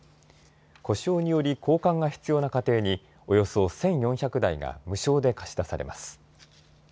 故障により交換が必要な家庭におよそ１４００台が無償で貸し出されます。